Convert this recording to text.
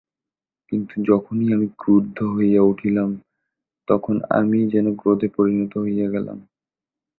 কিন্তু যখনই আমি ক্রুদ্ধ হইয়া উঠিলাম, তখন আমিই যেন ক্রোধে পরিণত হইয়া গেলাম।